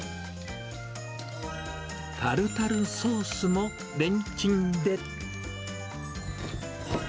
タルタルソースもレンチンで。